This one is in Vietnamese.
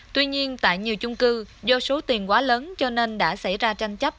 tuy nhiên tại nhiều chung cư do số tiền quá lớn cho nên đã xảy ra tranh chấp